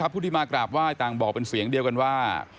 ผู้ที่มากราบไหว้ต่างบอกเป็นเสียงเดียวกันว่า